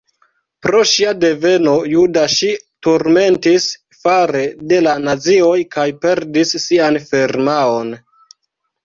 Pro ŝia deveno juda ŝi turmentitis fare de la nazioj kaj perdis sian firmaon.